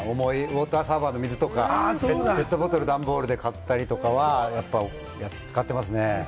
重いウォーターサーバーとかペットボトル、ダンボールで買ったりとか使ってますね。